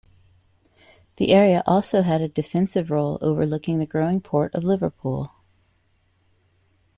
The area also had a defensive role overlooking the growing Port of Liverpool.